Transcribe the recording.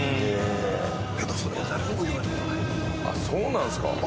そうなんですか。